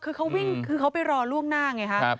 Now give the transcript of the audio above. คือเขาวิ่งคือเขาไปรอล่วงหน้าไงฮะ